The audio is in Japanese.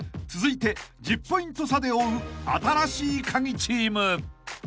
［続いて１０ポイント差で追う新しいカギチーム］